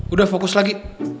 udah fokus lagi